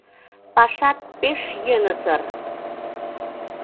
Пашат пеш йӧнысыр!